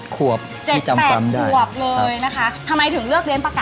๗๘ขวบเลยนะคะทำไมถึงเลือกเลี้ยงปากัด